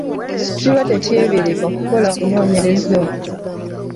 Kiba tekyebeereka kukola kunooyereza okwo.